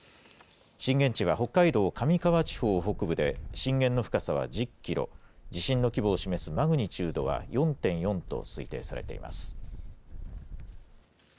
震源地は北海道上川地方北部で、震源の深さは１０キロ、地震の規模を示すマグニチュードは４．４と推定されています。